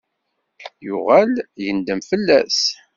Yuɣal yendem fell-as.